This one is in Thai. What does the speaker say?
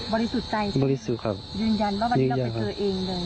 บริสุทธิ์ใจบริสุทธิ์ครับยืนยันว่าวันนี้เราไปเจอเองเลย